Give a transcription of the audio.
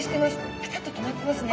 ピタッと止まってますね。